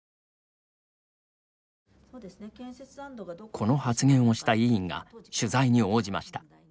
この発言をした委員が取材に応じました。